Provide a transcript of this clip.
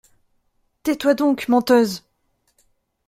Tais-toi donc, menteuse !…